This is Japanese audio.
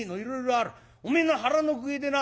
おめえの腹の具合でな